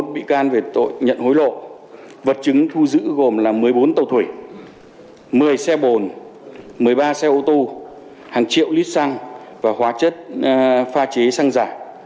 một mươi bị can về tội nhận hối lộ vật chứng thu giữ gồm là một mươi bốn tàu thủy một mươi xe bồn một mươi ba xe ô tô hàng triệu lít xăng và hóa chất pha chế xăng giả